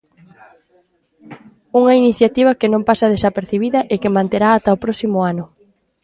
Unha iniciativa que non pasa desapercibida e que manterá ata o próximo ano.